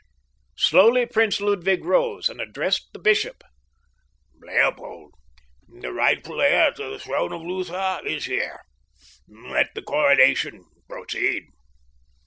Slowly Prince Ludwig rose and addressed the bishop. "Leopold, the rightful heir to the throne of Lutha, is here. Let the coronation proceed."